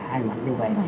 hai mặt như vậy